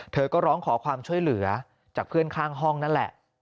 เธอก็ร้องขอความช่วยเหลือจากเพื่อนข้างห้องนั่นแหละ